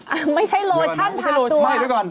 อ้าวไม่ใช่โรชั่นถามตัว